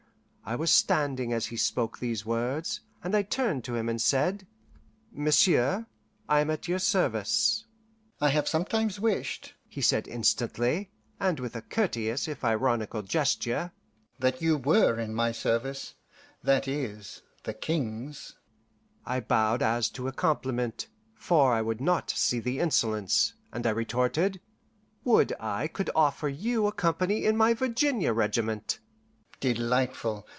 I was standing as he spoke these words, and I turned to him and said, "Monsieur, I am at your service." "I have sometimes wished," he said instantly, and with a courteous if ironical gesture, "that you were in my service that is, the King's." I bowed as to a compliment, for I would not see the insolence, and I retorted, "Would I could offer you a company in my Virginia regiment!" "Delightful!